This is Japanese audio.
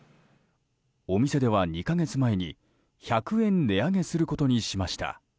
お店では２か月前に１００円値上げすることにしました。